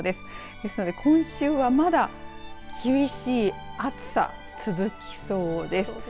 ですので今週はまだ厳しい暑さ続きそうです。